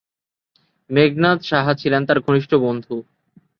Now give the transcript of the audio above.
মেঘনাদ সাহা ছিলেন তার ঘনিষ্ঠ বন্ধু।